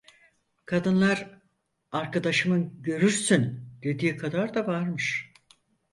Kadınlar arkadaşımın "görürsün" dediği kadar da varmış.